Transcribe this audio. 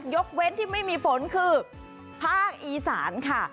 ยกเว้นที่ไม่มีฝนคือภาคอีสานค่ะ